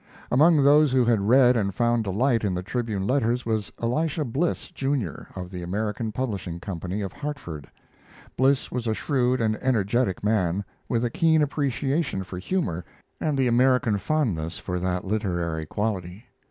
Among those who had read and found delight in the Tribune letters was Elisha Bliss, Jr., of the American Publishing Company, of Hartford. Bliss was a shrewd and energetic man, with a keen appreciation for humor and the American fondness for that literary quality.